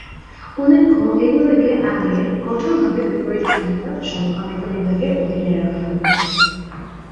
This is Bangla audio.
উল্লেখ্য, এগুলিকে আগে কঠোরভাবে বিপরীতকামিতা/সমকামিতা বিভাগের অধীনে রাখা হতো।